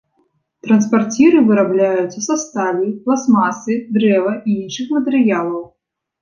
Транспарціры вырабляюцца са сталі, пластмасы, дрэва і іншых матэрыялаў.